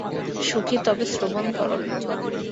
সখী, তবে শ্রবণ করো।